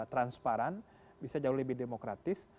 transparan bisa jauh lebih demokratis